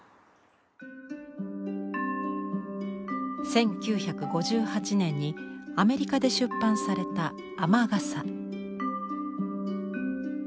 １９５８年にアメリカで出版された「あまがさ」。